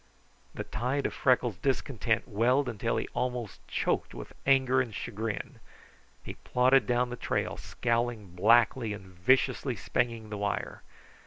The tide of Freckles' discontent welled until he almost choked with anger and chagrin. He plodded down the trail, scowling blackly and viciously spanging the wire.